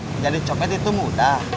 menjadi copet itu mudah